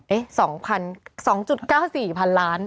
เอ๊ะ๒๐๐๐๒๙๔พันล้าน